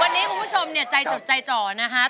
วันนี้คุณผู้ชมเนี่ยใจจดใจจ่อนะคะ